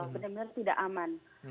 benar benar tidak aman